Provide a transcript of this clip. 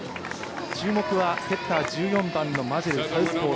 注目はセッター１４番のマジェルサウスポー。